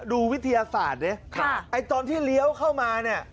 วิทยาศาสตร์ดิไอ้ตอนที่เลี้ยวเข้ามาเนี่ย